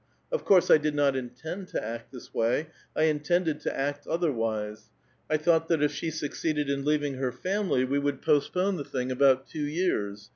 Of course, I did not intend to act this way ; Z intended to act otherwise. I thought that if she succeeded ill leaving her family, we would postpone the thing about "two 3'ears.